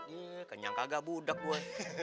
iya kenyang kagak budak gue